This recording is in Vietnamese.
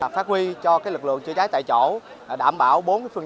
phát huy cho lực lượng chữa cháy tại chỗ đảm bảo bốn phương